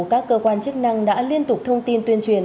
các cơ quan chức năng đã liên tục thông tin tuyên truyền